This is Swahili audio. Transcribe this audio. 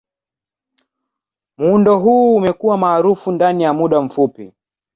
Muundo huu umekuwa maarufu ndani ya muda mfupi.